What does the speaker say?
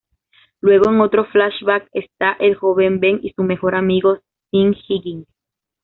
Luego, en otro flashback, está el joven Ben y su mejor amigo Sean Higgins.